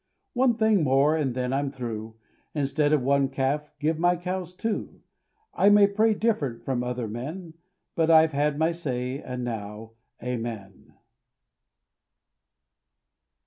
One thing more and then I'm through, Instead of one calf, give my cows two. I may pray different from other men But I've had my say, and now, Amen.